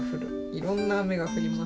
いろんな雨が降ります」。